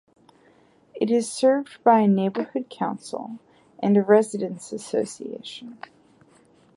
It is served by a neighborhood council and a residents association.